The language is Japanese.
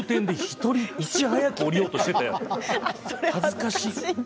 恥ずかしい！